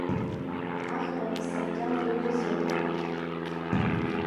Ахрақәа асаркьал иаҩызоуп.